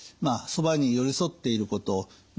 そばに寄り添っていること